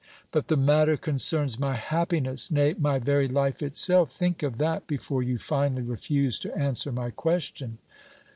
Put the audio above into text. "But the matter concerns my happiness, nay, my very life itself; think of that before you finally refuse to answer my question!"